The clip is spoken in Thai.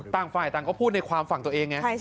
ต่างฝ่ายต่างก็พูดในความฝั่งตัวเองไง